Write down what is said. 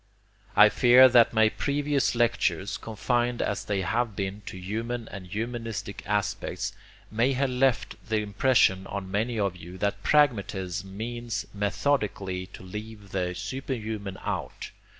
I fear that my previous lectures, confined as they have been to human and humanistic aspects, may have left the impression on many of you that pragmatism means methodically to leave the superhuman out.